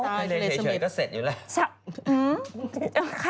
สวยจะตายทะเลเฉยเฉยก็เสร็จอยู่แหละ